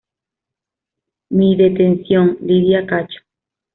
Mi detención, Lydia Cacho.